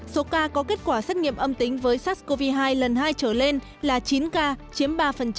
số ca có kết quả xét nghiệm âm tính với sars cov hai lần hai trở lên là chín ca chiếm ba